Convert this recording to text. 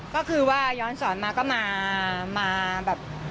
ก็คือว่าย้อนสอนมาก็มาแบบ